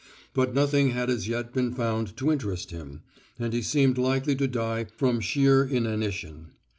But nothing had as yet been found to interest him, and he seemed likely to die from sheer inanition.